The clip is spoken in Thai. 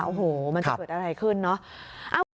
โอ้โหมันจะเกิดอะไรขึ้นเนอะ